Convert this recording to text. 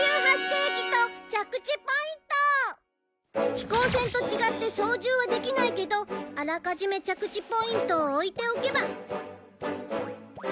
飛行船と違って操縦はできないけどあらかじめ着地ポイントを置いておけば。